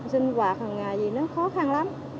sinh hoạt hằng ngày gì nó khó khăn lắm